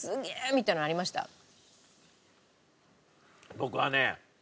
僕はね